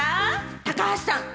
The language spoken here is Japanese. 高橋さん。